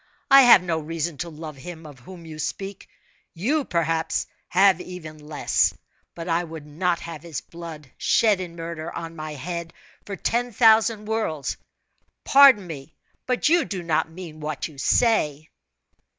I have no reason to love him of whom you speak you, perhaps, have even less; but I would not have his blood, shed in murder, on my head, for ten thousand worlds! Pardon me, but you do not mean what you say."